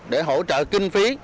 để hỗ trợ kinh phí